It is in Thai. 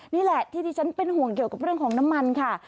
นี่แหละที่ที่ฉันเป็นห่วงเกี่ยวกับเรื่องของน้ำมันค่ะ